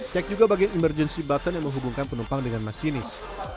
cek juga bagian emergency button yang menghubungkan penumpang dengan masinis